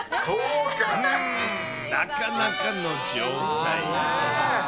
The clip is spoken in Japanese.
うーん、なかなかの状態。